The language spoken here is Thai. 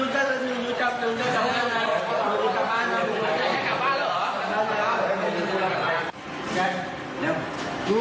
อยากเอาน้ำแดงก็ให้กินก่อน